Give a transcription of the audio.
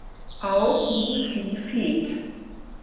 Auch Who See feat.